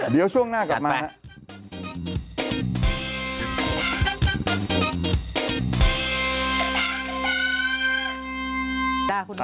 เดี๋ยวช่วงหน้ากลับมาครับ